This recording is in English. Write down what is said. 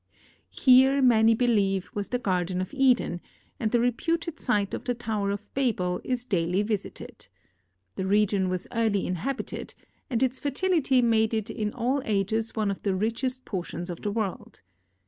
Here, many believe, was the Garden of Eden, and the reputed site of the Tower of Babel is daily visited. The region was early inhabited, and its fertility made it in all ages one of the richest portions of the world.